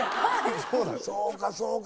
そうかそうか。